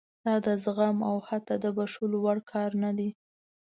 دا د زغم او حتی د بښلو وړ کار نه دی.